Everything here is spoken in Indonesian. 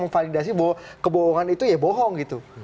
memvalidasi kebohongan itu ya bohong